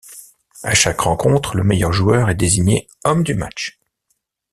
À chaque rencontre, le meilleur joueur est désigné homme du match.